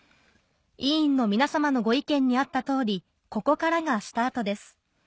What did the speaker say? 「委員の皆様のご意見にあった通りここからがスタートです」